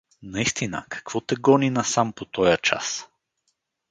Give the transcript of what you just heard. — Наистина, какво те гони насам по тоя час?